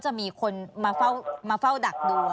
จะมีคนมาเฝ้าดักดู